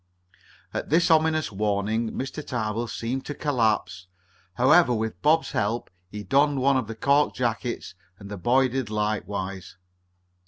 At this ominous warning Mr. Tarbill seemed to collapse. However, with Bob's help he donned one of the cork jackets, and the boy did likewise.